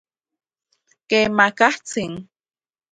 Kemakatsin.